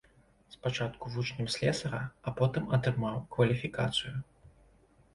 Спачатку вучнем слесара, а потым атрымаў кваліфікацыю.